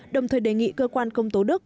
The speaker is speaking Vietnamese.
đồng thời đề nghị cơ quan công tố đức